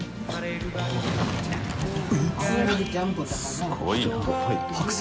すごい